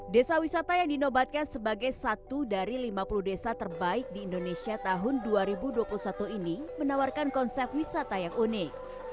desa wisata yang dinobatkan sebagai satu dari lima puluh desa terbaik di indonesia tahun dua ribu dua puluh satu ini menawarkan konsep wisata yang unik